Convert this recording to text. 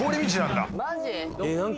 マジ？